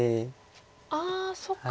ああそっか。